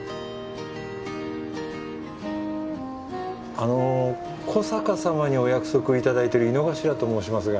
あの小坂様にお約束をいただいてる井之頭と申しますが。